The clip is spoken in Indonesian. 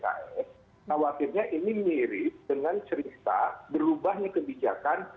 khawatirnya ini mirip dengan cerita berubahnya kebijakan